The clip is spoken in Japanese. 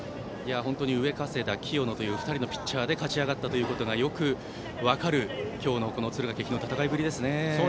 上加世田、清野という２人のピッチャーで勝ち上がったということがよく分かる今日の敦賀気比の戦いぶりですね。